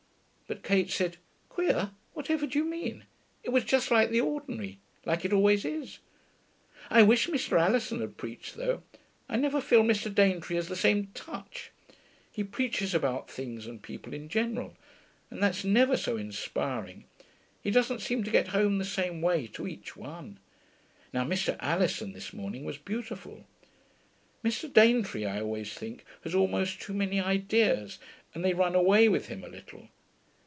But Kate said, 'Queer! Whatever do you mean? It was just like the ordinary; like it always is.... I wish Mr. Alison had preached, though; I never feel Mr. Daintree has the same touch. He preaches about things and people in general, and that's never so inspiring; he doesn't seem to get home the same way to each one. Now, Mr. Alison this morning was beautiful. Mr. Daintree, I always think, has almost too many ideas, and they run away with him a little.